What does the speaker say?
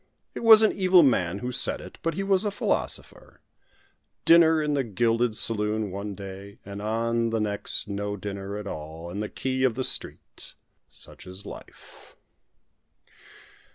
It was an evil man who said it, but he was a philosopher. Dinner in the gilded saloon one day, on the next no dinner at all, and the key of the street. Such is life!